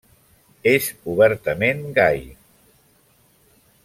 És obertament gai.